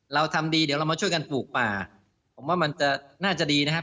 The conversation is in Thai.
เราทำดีเดี๋ยวเรามาช่วยกันปลูกป่าผมว่ามันจะน่าจะดีนะครับ